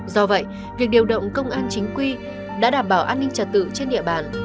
do vậy việc điều động công an chính quy đã đảm bảo an ninh trật tự trên địa bàn